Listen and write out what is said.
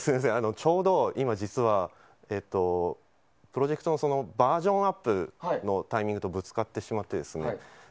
実は、今、プロジェクトのバージョンアップのタイミングとぶつかってしまってですね。